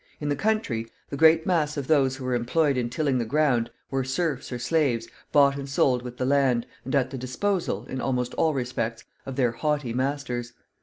In the country, the great mass of those who were employed in tilling the ground were serfs or slaves, bought and sold with the land, and at the disposal, in almost all respects, of their haughty masters.